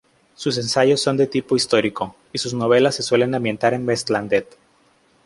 Sus ensayos son de tipo histórico, y sus novelas se suelen ambientar en Vestlandet.